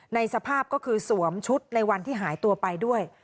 สภาพก็คือสวมชุดในวันที่หายตัวไปด้วย